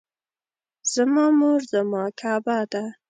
زما مور زما کعبه ده